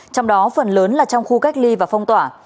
trong đó phần lớn là trong khu cách ly và phong tỏa